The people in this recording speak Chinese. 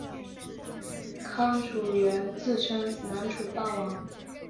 康楚元自称南楚霸王。